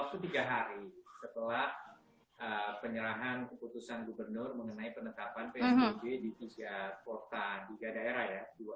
waktu tiga hari setelah penyerahan keputusan gubernur mengenai penetapan psbb di tiga kota tiga daerah ya